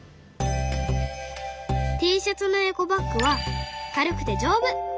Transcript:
Ｔシャツのエコバッグは「軽く」て「じょうぶ」。